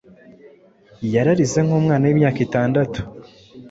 Yararize nk'umwana w'imyaka itandatu.